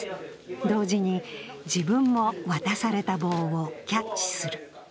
同時に自分も渡された棒をキャッチする。